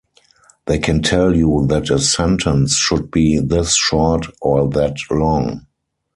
They can tell you that a sentence should be this short or that long.